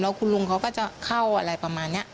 คุณลุงเขาก็จะเข้าอะไรประมาณนี้